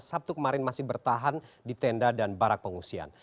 sabtu kemarin masih bertahan di tenda dan barak pengungsian